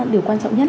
điều quan trọng nhất